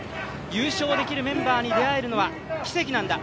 優勝できるメンバーに出会えるのは奇跡なんだ。